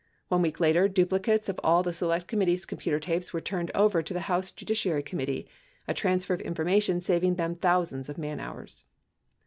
One week later, duplicates of all the Select Committee computer tapes were turned over to the House Judiciary Committee, a transfer of information saving them thou sands of man hours.